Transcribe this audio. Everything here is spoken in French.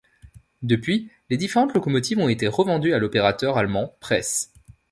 Depuis, les différentes locomotives ont été revendues à l'opérateur allemand Press.